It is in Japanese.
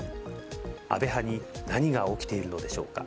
安倍派に何が起きているのでしょうか。